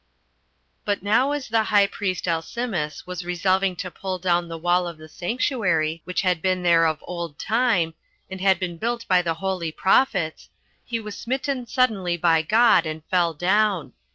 6. But now as the high priest Alcimus, was resolving to pull down the wall of the sanctuary, which had been there of old time, and had been built by the holy prophets, he was smitten suddenly by God, and fell down.